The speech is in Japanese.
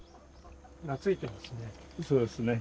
懐いてますね。